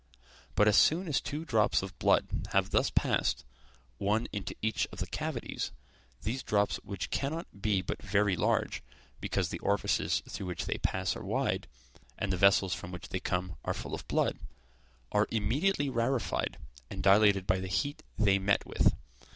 But as soon as two drops of blood have thus passed, one into each of the cavities, these drops which cannot but be very large, because the orifices through which they pass are wide, and the vessels from which they come full of blood, are immediately rarefied, and dilated by the heat they meet with.